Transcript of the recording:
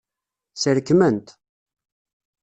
Srekmen-t.